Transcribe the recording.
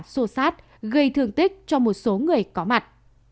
xô xát gây thương tích cho một số người có mặt